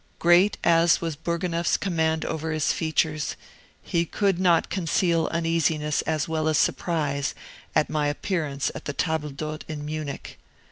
Great as was Bourgonef's command over his features, he could not conceal uneasiness as well as surprise at my appearance at the table d'hote in Munich.